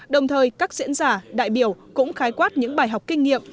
đồng thời các diễn giả đại biểu cũng khái quát những bài học kinh nghiệm